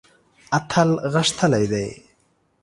اتل غښتلی دی.